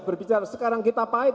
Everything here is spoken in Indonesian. berbicara sekarang kita pahit